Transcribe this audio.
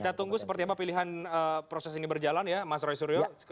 kita tunggu seperti apa pilihan proses ini berjalan ya mas roy suryo